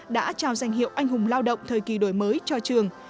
đã trao danh hiệu anh hùng lao động thời kỳ đổi mới cho trường